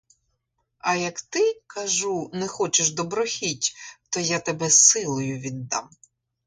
А як ти, кажу, не хочеш доброхіть, то я тебе силою віддам.